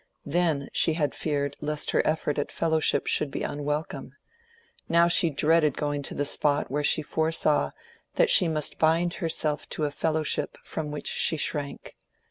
Then she had feared lest her effort at fellowship should be unwelcome; now she dreaded going to the spot where she foresaw that she must bind herself to a fellowship from which she shrank.